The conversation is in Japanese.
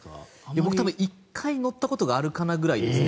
僕、多分１回乗ったことがあるかなぐらいですね。